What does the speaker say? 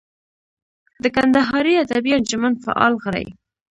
د کندهاري ادبي انجمن فعال غړی.